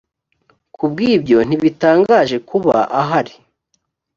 ku bw ibyo ntibitangaje kuba ahari